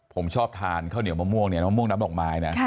ผมชอบทานข้าวเหนียวมะม่วงเนี่ยมะม่วงน้ำดอกไม้นะ